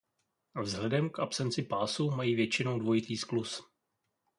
Vzhledem k absenci pásu mají většinou dvojitý skluz.